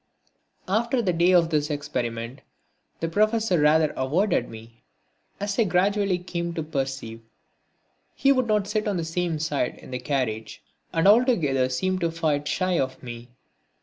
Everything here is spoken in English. After the day of this experiment the Professor rather avoided me, as I gradually came to perceive. He would not sit on the same side in the carriage, and altogether seemed to fight shy of me.